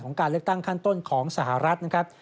การเลือกตั้งขั้นต้นของสหรัฐนะครับ